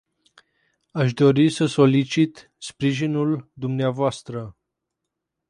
Aș dori să solicit sprijinul dumneavoastră.